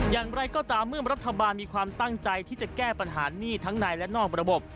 อย่างไรก็ตามเมื่อรัฐบาลมีความตั้งใจที่จะแก้ปัญหาหนี้ทั้งในและนอกระบบ